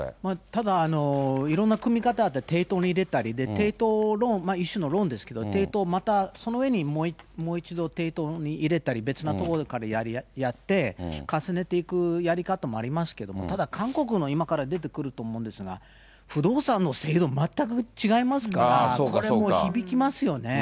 ただ、いろんな組み方、抵当に入れたりで、抵当の一種のローンですけど、抵当、またその上にもう一度抵当に入れたり、別の所で借りたりやって、重ねていくやり方もありますけども、ただ、韓国も今から出てくると思うんですが、不動産の制度、全く違いますから、これもう、響きますよね。